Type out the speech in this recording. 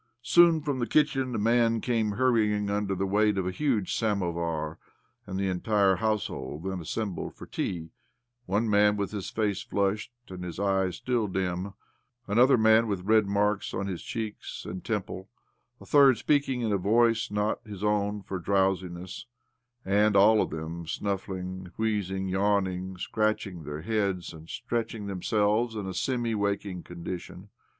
Soon from the kitchen a man came hurrying under the weight of a huge santovar, and the entire household then assembled for tea — ^one man with his face flushed and his eyes still dim, another man with red marks on his cheek and temple, a third speaking in a voice not his own for drowsiness, and all of them snuffling, wheezing, yawning, scratching their heads, and stretching themselves in a semi waking condition.